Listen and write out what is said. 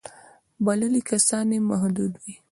بللي کسان یې محدود وي.